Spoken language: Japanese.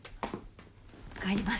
帰ります。